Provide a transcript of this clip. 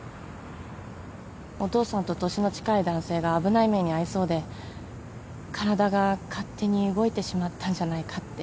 お父さんと年の近い男性が危ない目に遭いそうで体が勝手に動いてしまったんじゃないかって。